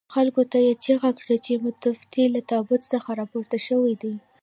خلکو ته یې چيغه کړه چې متوفي له تابوت څخه راپورته شوي دي.